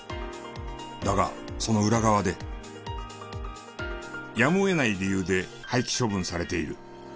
だがその裏側でやむを得ない理由で廃棄処分されている。